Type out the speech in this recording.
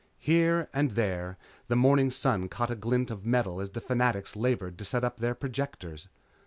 Here and there the morning sun caught a glint of metal as the Fanatics labored to set up their projectors.